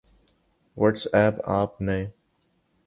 what's app آپ نئے